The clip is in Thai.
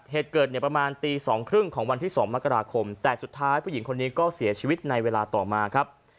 เหตุเกิดเนี่ยประมาณตี๒๓๐ของวันที่๒มกราคมแต่สุดท้ายผู้หญิงคนนี้ก็เสียชีวิตในเวลาต่อมาครับ